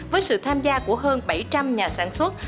với sự tham gia của hơn bảy trăm linh nhà sản xuất